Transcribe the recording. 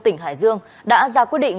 tỉnh hải dương đã ra quyết định